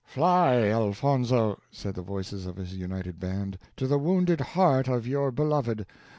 "Fly, Elfonzo," said the voices of his united band, "to the wounded heart of your beloved.